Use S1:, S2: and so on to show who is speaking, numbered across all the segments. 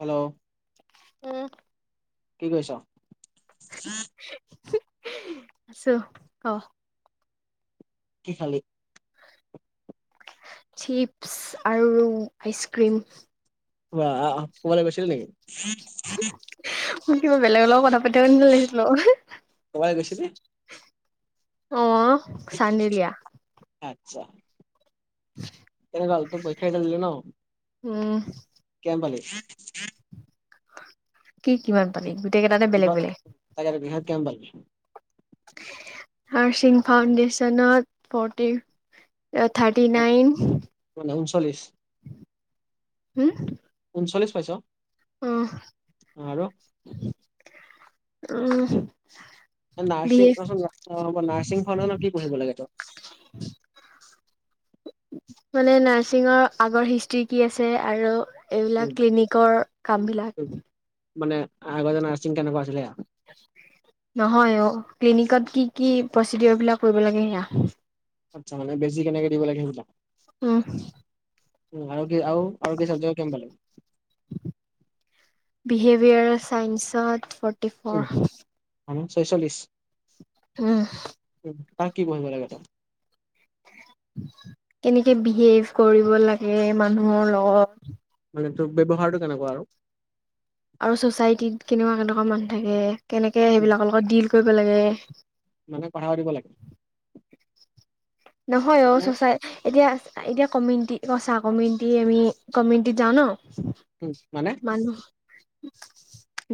S1: Hello
S2: উম
S1: কি কৰিছ?
S2: আছো ক
S1: কি খালি?
S2: চিপছ আৰু আইচক্ৰীম
S1: বা আহ কোবালৈ গৈছিলা নেকি?
S2: মোৰ কিবা বেলেগৰ লগত কথা পাতি থকা লাগিছিলে আক।
S1: কবাই গৈছিলি?
S2: অ চাৰনেলিয়া
S1: আচ্ছা
S2: [inaudible]
S1: ঐ ভাল তোৰ পৰীক্ষা ৰিজাল্ট দিলে ন?
S2: উম
S1: কিমান পালি?
S2: কি কিমান পালি? গোটেই কেইটাতে বেলেগ বেলেগ।
S1: তাকেটো, কিহত কিমান পালি?
S2: আৰু চিম ফাউণ্ডেশচনত ফৰটি থাৰ্টি নাইন
S1: মানে ঊনচল্লিশ,
S2: হম
S1: ঊনচল্লিছ পাইছ? আৰু?
S2: উম বি
S1: নাৰ্চিং
S2: এ
S1: কোৱাচোন নাৰ্চিং খনত ন কি পঢ়িব লাগে?
S2: মানে নাৰ্চিংৰ আগৰ হিষ্ট্ৰি কি আছে আৰু
S1: উম,
S2: এইবিলাক ক্লিনিকৰ কামবিলাক
S1: মানে আগতে নাৰ্ছিং কেনেকুৱা আছিলে
S2: নহয় অ, ক্লিনিকত কি কি প্ৰচিডৰ বিলাক কৰিব লাগে সেয়া?
S1: আচ্ছা, মানে বেজী কেনেকে দিব লাগে সেইবিলাক?
S2: উম
S1: আৰু কি আৰু, আৰু কি চাবজেক্টত কিমান পালে?
S2: বিহেভিয়াৰ চাইন্সত ফৰটি ফৰ।
S1: ছয়চল্লিছ
S2: উম
S1: তাত কি পঢ়িব লাগে?
S2: কেনেকে বিহেভ কৰিব লাগে মানুহৰ লগত,
S1: মানে তোৰ ব্যৱহাৰটো কেনেকুৱা আৰু?
S2: আৰু ছচাইটিত কেনেকুৱা কেনেকুৱা মানুহ থাকে, কেনেকে
S1: উম,
S2: সেইবিলাকৰ লগত ডিল কৰিব লাগে,
S1: মানে কথা পাতিব লাগে?
S2: নহয় অ
S1: মানে?
S2: চচাই এতিয়া এতিয়া কমিউনিটি চা কমিউনিটি আমি কমিউনিটিত যাওঁ ন?
S1: উম, মানে?
S2: মানুহ,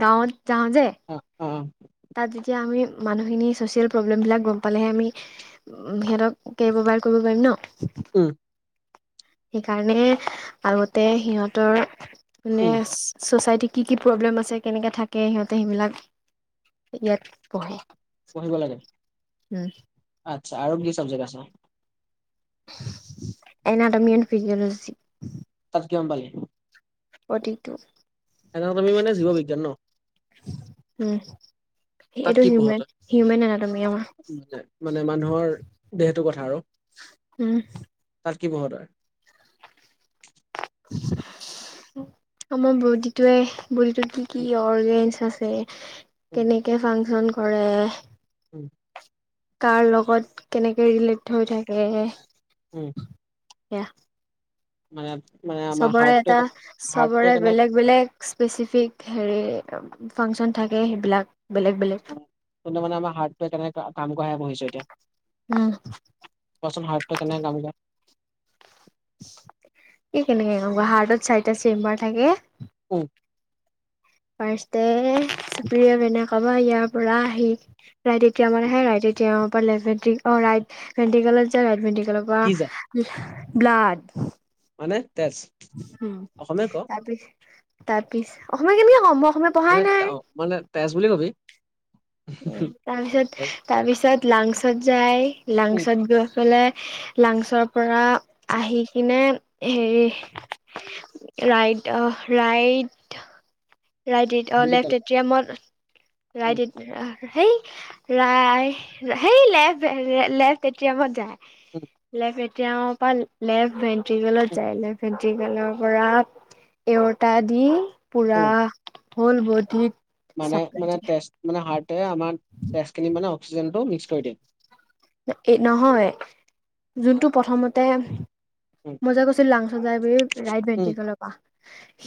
S2: গাঁৱত যাওঁ যে,
S1: অ অ
S2: তাত যেতিয়া আমি মানুহখিনি চচিয়েল প্ৰব্লেম বিলাক গম পালেহে আমি বিহেভ কেইবাবাৰ কৰিব পাৰিম ন?
S1: উম,
S2: সেইকাৰণে আগতে সিহঁতৰ মানে
S1: উম,
S2: চচাইটিক কি কি প্ৰব্লেম আছে, কেনেকৈ থাকে, সিহঁতে সেইবিলাক ইয়াত পঢ়ে।
S1: পঢ়িব লাগে, আচ্ছা আৰু কি চাবজেক্ট আছে।
S2: এনাডমিন ফিজিয়ালজি।
S1: তাত কিমান পালি।
S2: ফৰ্থি টো
S1: এডানমি মানে জীৱ বিজ্ঞান ন।
S2: উম,
S1: তাত
S2: এইটো
S1: কি পঢ়
S2: হিউমেন
S1: তই?
S2: হিউমেন এডানমি অঁ।
S1: মানে মানে মানুহৰ দেহটোৰ কথা আৰু।
S2: উম।
S1: তাত কি পঢ়ো তই?
S2: আমাৰ বডিটোৱে বডীটোত কি কি
S1: উম,
S2: অৰ্গেনচ আছে।
S1: উম,
S2: কেনেকে ফাংচন কৰে?
S1: উম।
S2: কাৰ লগত কেনেকে ৰিলেট হৈ থাকে।
S1: উম
S2: সেয়া
S1: মানে মানে আমাৰ
S2: চবৰে
S1: হাৰ্টটোৱে
S2: এটা
S1: কেনেকে হাৰ্টটোৱে
S2: চবৰে
S1: কেনে
S2: বেলেগ বেলেগ স্পেচিফিক হেৰি ফাংচন থাকে, সেইবিলাক বেলেগ বেলেগ।
S1: কিন্তু মানে আমাৰ হাৰ্টোৱে কেনে কাম কৰে বুজিছোঁ এতিয়া।
S2: উম।
S1: কোৱাচোন হাৰ্টো কেনেকৈ কাম কৰে?
S2: কি কেনেকে কাম কৰে, হাৰ্টত চাৰিটা চেম্বাৰ থাকে।
S1: উম।
S2: ফাৰ্ষ্টতে চুপৰি এনে কাবা ইয়াৰ পৰা আহি ৰাইট এতিয়া মানে
S1: উম,
S2: সে ৰাইট এতিয়াৰ পৰা লেফ্ট ভেট অ ৰাইট ভেণ্টিকেলত যায় ৰাইট ভেণ্টিকেলৰ
S1: কি যায়
S2: পৰা। ব্লাড
S1: মানে তেজ
S2: উম
S1: অসমীয়াত ক
S2: তাৰপিছ তাৰ পিছ অসমীয়া কেনেকে কম অসমীয়া পঢ়াই
S1: মানে
S2: নাই
S1: মানে তেজ বুলি কবি।
S2: উম, তাৰ পিছত
S1: তেজ
S2: তাৰপিছত লাংচত যাই
S1: উম,
S2: লাংচত গৈ পেলাই লাংচৰ পৰা আহি কিনে হেৰি ৰাইট অঁ ৰাইট। ৰাইট এ অ
S1: উম,
S2: লেফট এটিএমত ৰাইট এট সেই ৰাই সেই লেফট লেফট এটি এমত যায়।
S1: উম,
S2: লেফট এটিএম পৰা লেফট এন্ট্ৰেলত
S1: উম,
S2: যায় লেফট এণ্টি ফিমেলৰ পৰা এওঁতা দি পুৰা
S1: উম।
S2: হল বডিত
S1: মানে
S2: চাপ্লাই
S1: মানে টেষ্ট মানে হাৰ্টে আমাৰ টেষ্ট খিনি মানে অক্সিজেনটো মিক্স কৰি দিয়ে।
S2: এ নহয় যোনটো প্ৰথমতে
S1: উম
S2: মই যে কৈছিলো লাংচজাই বুলি, ৰাইট
S1: উম
S2: বেটিকৰ পৰা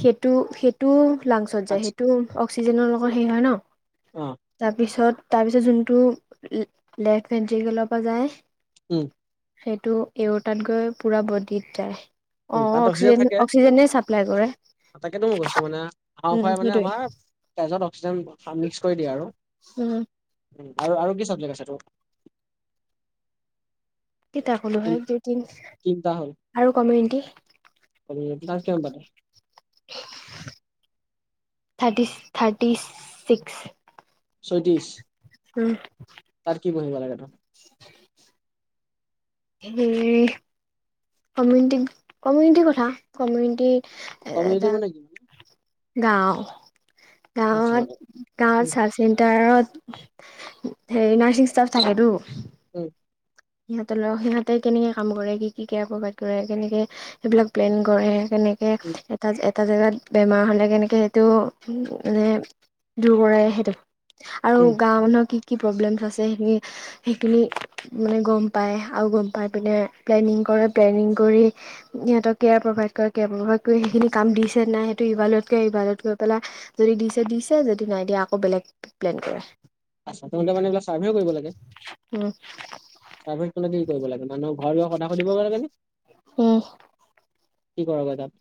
S2: সেইটো সেই টো লাংচত যায়
S1: আচ্ছা
S2: সেইটো অক্সিজেনৰ লগত শেষ হয় ন।
S1: অঁ
S2: তাৰপিছত তাৰপিছত যোনটো লেফ্ট ভেন্ট্ৰিগেলৰ পৰা যায়।
S1: উম
S2: সেইটো এওঁতাত গৈ পুৰা বদিত যায়। অ
S1: উম, তাত অক্সিজেন থাকে
S2: অক্সিজেনে চাপ্লাই কৰে
S1: তাকেতো মই গৈছো মানে
S2: উম
S1: হাওঁফাওঁ মানে
S2: সেইটোৱে
S1: আমাৰ তেজত অক্সিজেন মিক্স কৰি দিয়ে আৰু
S2: উম
S1: আৰু। আৰু কি চাবজেক্ট আছে তোৰ?
S2: কিতাপ কলো হয় দুই তিন
S1: তিনটা
S2: আৰু কমিউনিটি।
S1: মাৰ্ক্স কিমান পালি?
S2: Thirty thirty six.
S1: ছয়ত্ৰিশ
S2: উম।
S1: তাৰ কি বঢ়িব লাগে ন?
S2: [inaudible] [unintelligible] কমিউনিটি কমিউনিটিৰ কথা কমিউনিটি
S1: কমিউনিটি
S2: এটা
S1: মানে কি
S2: গাঁও
S1: আচ্ছা মানে
S2: গাঁৱত
S1: উম
S2: গাঁৱত চেণ্টাৰত হেৰি নাৰ্ছিং ষ্টাফ থাকেতো।
S1: উম।
S2: সিহঁতৰ লক সিহঁতে কেনেকে কাম কৰে কি কি কে প্ৰভাইড কৰে কেনেকে সেইবিলাক প্লেন কৰে তেনেকে
S1: উম
S2: এটা এটা জেগাত বেমাৰ হ'লে কেনেকৈ সেইটো মানে দূৰ কৰে সেইটো।
S1: উম
S2: আৰু গাও মানুহৰ কি কি প্ৰব্লেমছ আছে সেইখিন সেইখিনি মানে গম পায় আৰু গম পায় পিনে প্লেনিং কৰে প্লেনিং কৰি সিহঁতৰ কেয়াৰ প্ৰভাইড কৰে। কয়াৰ প্ৰভাইড কৰি সেইখিনি কাম দিছে নাই সেইটো ইবালত গৈ ইবালত গৈ পেলাই যদি দিছে দিছে যদি নাই দিয়া আকৌ বেলেগ প্লেন কৰে।
S1: আচ্ছা তহতে মানে এইবিলাক চাৰ্ভেও কৰিব লাগে?
S2: উম
S1: ছাৰ্ভেত গলে কি কৰিব লাগে মানহ ঘৰত গৈ কথা সুধিবগে লাগে নে?
S2: উম।
S1: কি কৰগে তাত?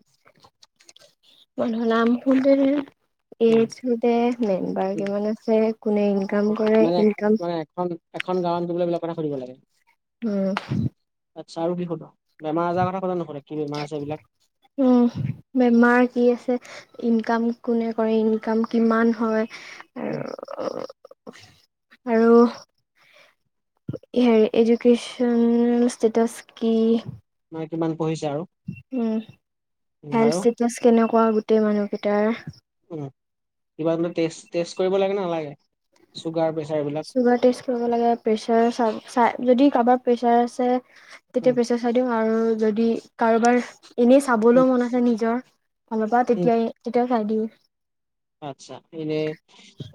S2: মানুহৰ নাম সুধে
S1: উম
S2: এইজ সুধে মেম্বাৰ
S1: উম
S2: কিমান আছে কোনে ইনকাম কৰে
S1: মানে
S2: ইনকাম
S1: মানে এখন এখন গাঁৱত গৈ এইবিলাক কথা সুধিব লাগে।
S2: উম।
S1: আচ্ছা আৰু কি সুধ বেমাআজাৰ কথা কথা নশুধে কি বেমাৰ আছে এবিলাক
S2: উম বেমাৰ কি আছে ইনকাম কোনে কৰে ইনকাম কিমান হয়, আৰু
S1: উম।
S2: আৰু হেৰি এডুকেশচন ষ্টেটাছ কি?
S1: মনে কিমান পঢ়িছে আৰু
S2: উম
S1: উম
S2: হেল্থ
S1: আৰু
S2: ষ্টেটাছ কেনেকুৱা গোটেই মানুহকেইটাৰ
S1: কিবা বোলে টেষ্ট টেষ্ট কৰিব লাগে নে নালাগে চুগাৰ প্ৰেছাৰ এইবিলাক
S2: টেষ্ট কৰিব লাগে প্ৰেচাৰ চা যদি কাৰোবাৰ প্ৰেছাৰ আছে তেতিয়া
S1: উম
S2: প্ৰেছাৰ চাই দিব আৰু যদি কাৰোবাৰ এনে
S1: উম
S2: চাবলৈও মন আছে নিজৰ ফাঁলৰ পৰা
S1: উম
S2: তেতিয়াই তেতিয়াই চাই দিওঁ।
S1: আচ্ছা এনেই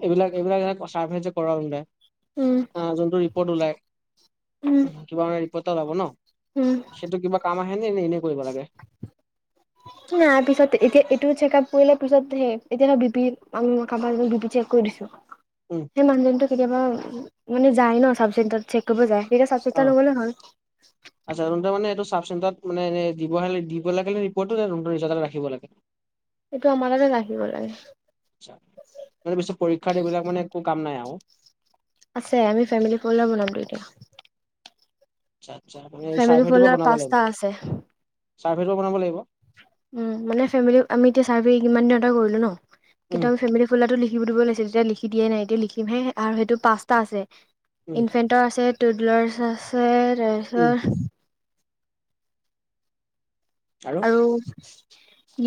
S1: এইবিলাক এইবিলাক এ চাৰ্ভে যে কৰাই
S2: উম
S1: যোনটো ৰিপৰ্ট ওলাই,
S2: উম
S1: কিবা মানে ৰিপৰ্ট এটা ওলাব ন
S2: উম
S1: সেইটো কিবা কামত আহে নে, নে এনে কৰিব লাগে।
S2: নাই পিছত এতিয়া এইটো চেক আপ কৰিলে পিছত এতিয়া বি পি আঁ কাবাৰ যদি চেক কৰি দিছো।
S1: উম।
S2: সেই মানুহজনটো কেতিয়াবা মানে যায় ন চাব চেটাৰত চেক কৰিব যায় তেটিয়া চাব চেণ্টাৰ নগলে হ'ল।
S1: আচ্ছানতে মানে এইটো চাব চেণতাৰত মানে দিব দিব লাগে ৰিপৰ্টটো ৰিজ্ এটা ৰাখিব লাগে
S2: এইটো আমাৰতাতে ৰাখিব লাগে
S1: মানে পিছত পৰীক্ষাত এইবিলাক মানে একো কাম নাই আৰু
S2: আছে আমি ফেমিলি ফাৰ বনাম দি এতিয়া
S1: আচ্ছা আচ্ছা এই
S2: ফেমিলি
S1: চাৰ্ফেটোৰ পৰা
S2: পলাৰ
S1: বনাব লাগিব
S2: পাঁচটা আছে
S1: চাৰ্ফেটৰ বনাব লাগিব
S2: উম মানে ফেমলি আমি এতিয়া চাৰ্ভে ইমানদিনতে এটা কৰিলো ন
S1: উম
S2: কিন্তু আমি ফে ফুল টো লিখিব দিব লাগিছিল তেতিয়া লিখি দিয়ে নাই এতিয়া লিখিমহে আৰু সেইটো পাচটা আছেে
S1: উম
S2: ইণ ফে আছে টুদলাৰছ আছে
S1: উম
S2: তাৰপিছত আৰু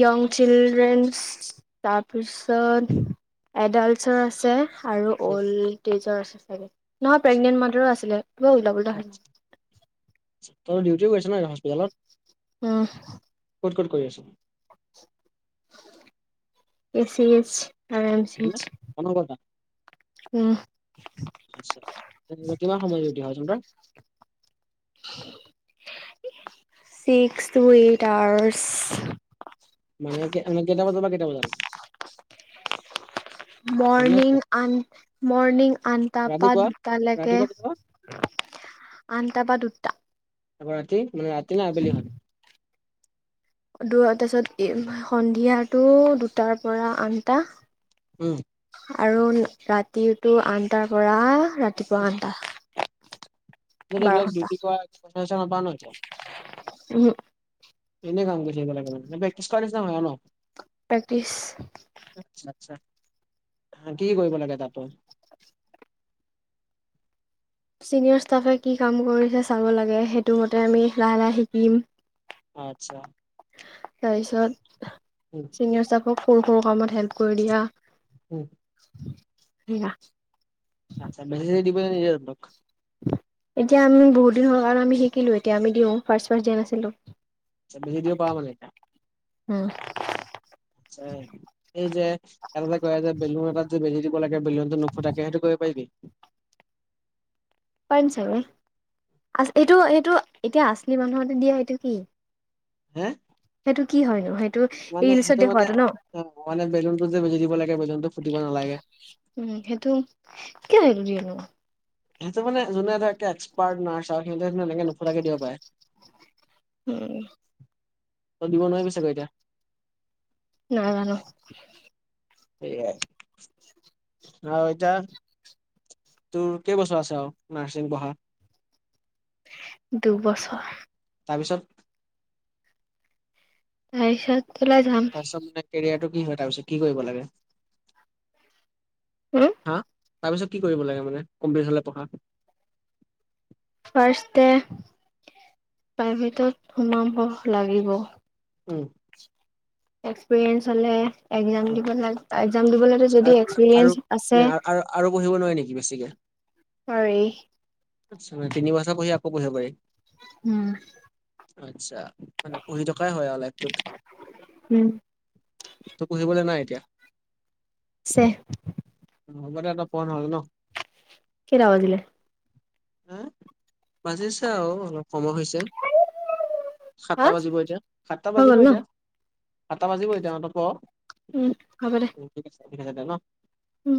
S2: য়ং চিলড্ৰেনছ তাৰপিছত এডাল্টছৰ আছে আৰু
S1: উম
S2: অল্ড এজৰ আছে চাগে নহয় প্ৰেগনেন্ট মাডাৰো আছিলে কিবা উওল
S1: আচছা, তই ডিউটিও কৰিছ ন হস্পিতেলত
S2: উম
S1: ক'ত ক'ত কৰি আছ
S2: এ চিছ আৰ এম চি
S1: কনা কথা
S2: উম
S1: আচ্ছা তাতে কিমান সময় ডিউটি হয় তহতৰ
S2: [unintelligible] ছিক্স টু এইট আৱাৰছ
S1: মানে এনে কেইটা বজাৰ পৰা কেইটা বজালৈ
S2: [unintelligible]
S1: অসমীয়া
S2: মৰ্ণিং আন মৰ্ণিং আনটা পা
S1: ৰাতিপুৱা
S2: দুটালৈকে
S1: ৰাতিপুৱা কেতিয়াবা
S2: আন্ত পা দুুটা
S1: আকৌ ৰাতি ৰাতি নে আবেলি হয়
S2: দুৰত তাৰ পিছত এ সন্ধিয়াটো দুটাৰ পৰা আনটা
S1: উম
S2: আৰু ৰাতিৰটো আনটাৰ পৰা ৰাতি
S1: ডিউটি পৰা পইচা - চইছা পাও নাই এতিয়া
S2: উম
S1: এনেই কাম থাকিব লাগে প্ৰে‌ক্তিচ কৰা নিচিনা হৈ ন
S2: পেকটিছ
S1: আচছা আচ্ছা কি ক কৰিব লাগে তাত তোৰ
S2: চিনিয়ৰ ষ্টাফে কি কাম কৰিছে চাব লাগে সেইটো মতে আমি লাহে লাহে শিকিম
S1: অ আচ্ছা
S2: তাৰপিছত
S1: উম
S2: চিনিয়ৰ ষ্টাফক সৰু সৰু কামত হেল্প কৰি দিয়া
S1: উম
S2: সেয়া
S1: আচ্ছাে বেজি চেজি দিব দিয়ে নে নিদিয়ে তহতক
S2: এতিয়া আমি বহুদিন হোৱাৰ কাৰণ আমি শিকিলো এতিয়া আমি দিওঁ ফাৰ্ষ্ট ফাটস দিয়ো
S1: বেজি দিব পাৰ মানে এতিয়া এই যে এটাতে কয় যে বেলুন‌ এটাত যে বেজিটো লাগে বেলুয়নত নুফুটাকে সেইটো কৰিব পাৰি
S2: পাৰিম চাগে আ এইটো এইটো এতিয়া আচলি মানুহতে দিয়া সেটো কি
S1: হে
S2: সেইটো কি হয় নো সেই
S1: মানে সেইটো মানে অহ মানে বেলুনতো যে বেজি দিব লাগে বেলুনটো ফুটিব নালাগে
S2: উম সেইটো কিয় সেইতো দিয়ে নো
S1: সেইটো মানে যোনে ধৰক এক্সপাৰ্ট নাৰচাৰ সিহঁতে মানে এনেকে নোফুটাকে দিব পাৰে
S2: উম
S1: তই দিব নোৱাৰি গৈ এতিয়া
S2: নাজানো
S1: এয়াত আৰু এতিয়া তোৰ কেইবছৰ আছে আৰু নাৰ্ছিং পঢ়া
S2: দুবছৰ
S1: তাৰপিছত
S2: তাৰপিছত ওলাই যাম
S1: তাৰপিছত মানে কেৰিয়াৰটো কি হৈ তাৰ পিছত কি কৰিব লাগে
S2: উম
S1: হা তাৰপিছত কি কৰিব লাগে মানে কমপ্লিট হলে পঢ়া
S2: ফাষ্টটে প্ৰাইভেটত সোমাব লাগিব।
S1: উম
S2: এক্সপিৰিয়েঞ্চ হ'লে এক্সাম
S1: উম
S2: দিব লাগে একজাম দিব
S1: আৰু
S2: যদি
S1: আৰু
S2: এক্সপিৰিয়েঞ্চ আছে
S1: আৰু আৰু পঢ়িব নোৱাৰি নেকি বেছিকে
S2: পাৰি
S1: আচ্ছা তিনি বছৰ পঢ়ি আকৌ পঢ়িব পাৰি
S2: উম
S1: আচ্ছা মানে পঢ়ি থকাই হয় আৰু লাইফটোত
S2: উম
S1: তোৰ পঢ়িবলৈ নাই এতিয়া
S2: আছে
S1: মুঠতে একদম ফোন হ'ল ন
S2: কেইটা বাজিলে
S1: হে বাজিছে আৰু অলপ সময় হৈছে
S2: হা
S1: সাতটা বাজিব এতিয়া সাতটা
S2: হৈ
S1: বাজিব
S2: গ'ল ন
S1: এতিয়া সাতটা বাজিব এতিয়া অহ তই প
S2: উম হব দে
S1: ঠিক আছে ঠিক আছে দে ন
S2: উম